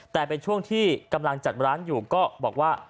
แต่เป็นช่วงที่กำลังจัดร้านอยู่ก็บอกว่า